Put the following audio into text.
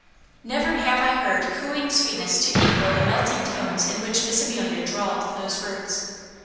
'" Never have I heard cooing sweetness to equal the melting tones in which Miss Amelia drawled those words.